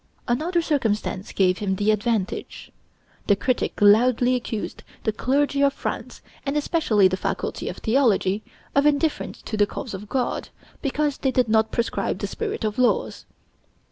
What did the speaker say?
Another circumstance gave him the advantage. The critic loudly accused the clergy of France, and especially the faculty of theology, of indifference to the cause of God, because they did not proscribe the 'Spirit of Laws.'